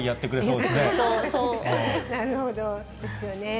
なるほど。ですよね。